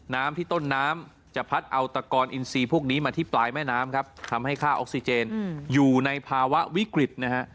น้ำที่ต้นน้ำจะพัดเอาตะกอนอินซีพวกนี้มาที่ปลายแม่น้ำครับทำให้ค่าออกซิเจนอยู่ในภาวะวิกฤตนะฮะ